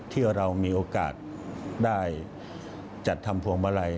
ที่เรามีโอกาสได้จัดทำพวงมาลัย